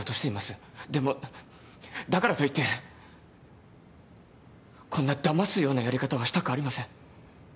でもだからといってこんなだますようなやり方はしたくありません。